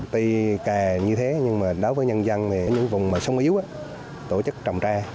tuy cà như thế nhưng đối với nhân dân những vùng sông yếu tổ chức trồng tre